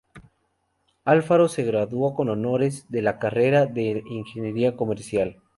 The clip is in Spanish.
Alfaro se graduó con honores de la carrera de Ingeniería Comercial.